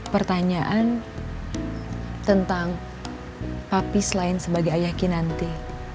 pertanyaan tentang papi selain sebagai ayah ki nanti